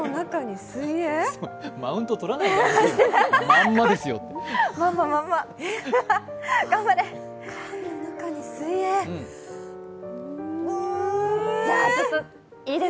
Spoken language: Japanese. マウントとらないで。